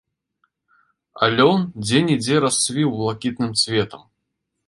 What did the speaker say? А лён дзе-нідзе расцвіў блакітным цветам.